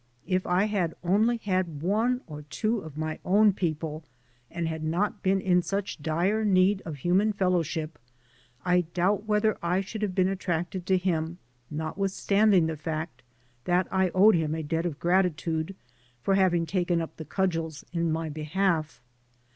If I had only had one or two of my own people and had not been in such dire need of human fellowship, I doubt whether I should have been attracted to him, notwith standing the fact ^that I owed him a debt of gratitude for having taken up the cudgels in my behalf.